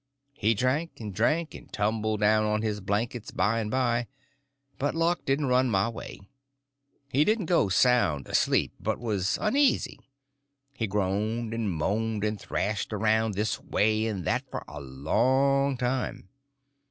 He drank and drank, and tumbled down on his blankets by and by; but luck didn't run my way. He didn't go sound asleep, but was uneasy. He groaned and moaned and thrashed around this way and that for a long time.